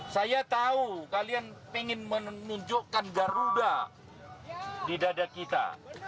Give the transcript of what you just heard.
saya tahu kalian ingin menunjukkan garuda di dada kita